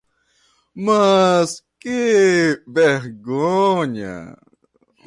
Mas que vergonha!